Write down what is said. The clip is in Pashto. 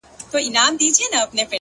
علم د عقل غذا ده.